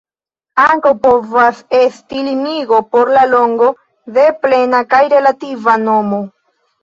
Ankaŭ povas esti limigo por longo de plena kaj relativa nomo.